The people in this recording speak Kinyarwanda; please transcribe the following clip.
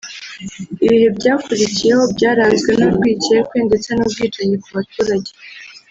Ibihe byakurikiyeho byaranzwe n’urwikekwe ndetse n’ubwicanyi ku baturage